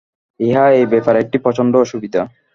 ইহা এই ব্যাপারে একটি প্রচণ্ড অসুবিধা।